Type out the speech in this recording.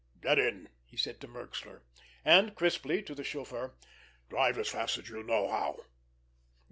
"Get in," he said to Merxler; and, crisply, to the chauffeur: "Drive as fast as you know how!